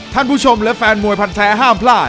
ท่านผู้ชมและแฟนมวยพันแท้ห้ามพลาด